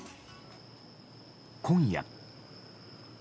今夜。